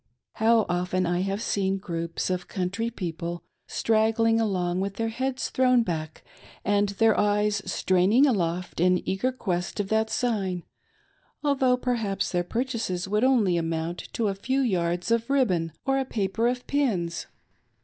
How often I have seen groups of country people straggling along, with their heads thrown back and their eyes straining aloft in eager quest of that sign, although perhaps their purchases would only amount to a few yards of ribbon or a paper of pins